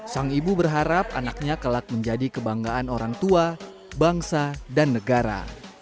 sang ibu berharap anaknya kelak menjadi kebanggaan orang tua bangsa dan negara